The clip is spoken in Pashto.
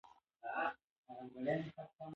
ښارونه د خلکو د ژوند په کیفیت تاثیر کوي.